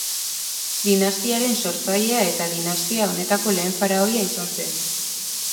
Dinastiaren sortzailea eta dinastia honetako lehen faraoia izan zen.